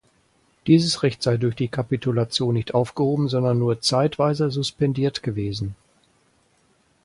Dieses Recht sei durch die Kapitulation nicht aufgehoben, sondern nur zeitweise „suspendiert“ gewesen.